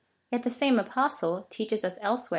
Yet the same Apostle teaches us elsewhere, (Gal.